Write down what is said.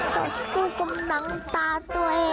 แต่สู้กำหนังตาตัวเอง